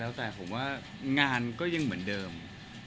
ครอบครัวมีน้องเลยก็คงจะอยู่บ้านแล้วก็เลี้ยงลูกให้ดีที่สุดค่ะ